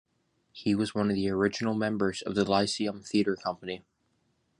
He was one of the original members of the Lyceum Theatre company.